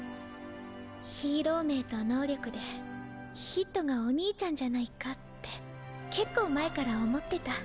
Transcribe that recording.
ヒーロー名と能力でＨＩＴがお兄ちゃんじゃないかって結構前から思ってた。